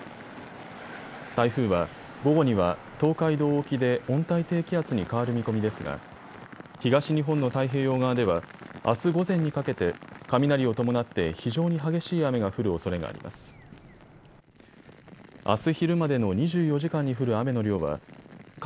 台風は午後には東海道沖で温帯低気圧に変わる見込みですが東日本の太平洋側ではあす午前にかけて雷を伴って非常に激しい雨が降るおそれがあります。